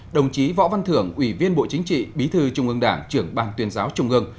đồng chí võ văn thưởng ủy viên bộ chính trị bí thư trung ương đảng trưởng ban tuyên giáo trung ương